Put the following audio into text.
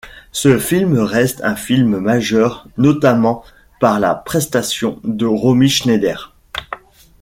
Ce film reste un film majeur, notamment par la prestation de Romy Schneider.